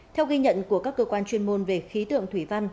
theo ghi nhận của các cơ quan chuyên môn về khí tượng thủy văn